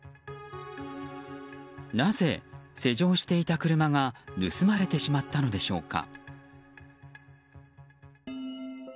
なぜ施錠していた車が盗まれてしまったのでしょうか。